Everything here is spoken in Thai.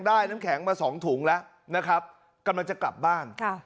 น้ำแข็งมาสองถุงแล้วนะครับกำลังจะกลับบ้านค่ะ